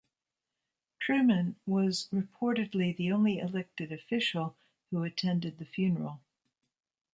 Truman was reportedly the only elected official who attended the funeral.